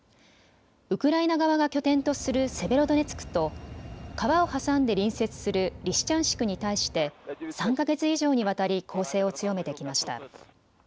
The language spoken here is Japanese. ウクライナ側が拠点とするセベロドネツクと川を挟んで隣接するリシチャンシクに対して３か月以上にわたり攻勢を強めてきました。